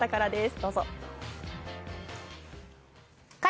どうぞ。